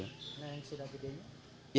nah yang sudah bedanya